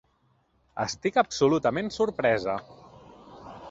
Estic absolutament sorpresa.